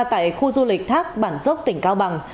tại khu du lịch thác bản dốc tỉnh cao bằng